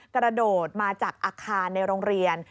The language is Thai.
กระโดดมาจากอาคารในโรงเรียน